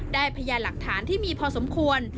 ได้พยายามหลักฐานที่มีพอสมควร